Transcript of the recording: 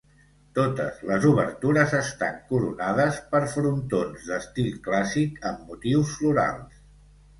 Totes les obertures estan coronades per frontons d'estil clàssic amb motius florals.